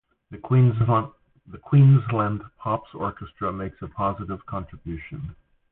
The Queensland Pops Orchestra make a positive contribution.